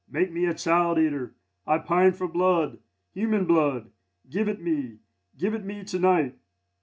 make me a child eater! I pine for blood! human blood! Give it me! give it me to night!